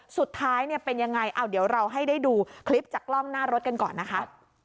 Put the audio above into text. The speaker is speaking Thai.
สุดท้ายเป็นยังไงแล้วเราให้ดูคลิปกล้องหน้ารถกันก่อนค่ะ